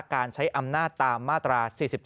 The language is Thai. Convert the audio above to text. การใช้อำนาจตามมาตรา๔๔